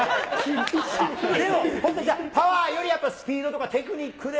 でも本当、じゃあパワーよりやっぱ、スピードとかテクニックで。